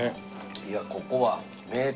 いやここは名店。